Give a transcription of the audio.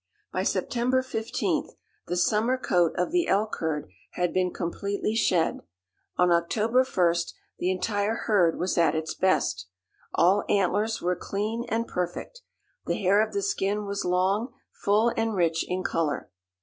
By September 15th the summer coat of the elk herd had been completely shed. On October 1st the entire herd was at its best. All antlers were clean and perfect. The hair of the skin was long, full and rich in color.